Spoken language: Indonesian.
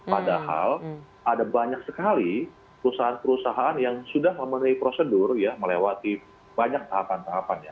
padahal ada banyak sekali perusahaan perusahaan yang sudah memenuhi prosedur ya melewati banyak tahapan tahapan ya